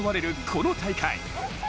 この大会。